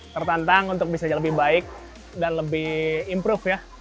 tertantang untuk bisa lebih baik dan lebih improve ya